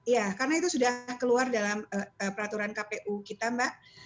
ya karena itu sudah keluar dalam peraturan kpu kita mbak